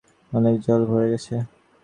অনেক জল ভরে গেছে।